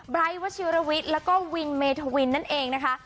วัชิรวิทย์แล้วก็วินเมธวินนั่นเองนะคะ